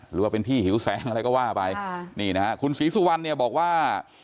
หรือว่าเป็นพี่หิวแสงอะไรก็ว่าไปค่ะนี่นะฮะคุณศรีสุวรรณเนี่ยบอกว่า